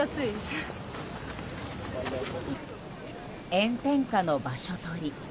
炎天下の場所取り。